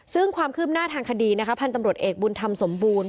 ซึ่งความคืบหน้าทางคดีนะคะพันธุ์ตำรวจเอกบุญธรรมสมบูรณ์